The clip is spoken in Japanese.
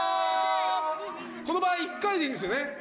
この場合１回でいいんですよね。